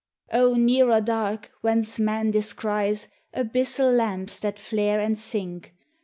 O nearer dark whence Man descries Abyssal lamps that flare and sink!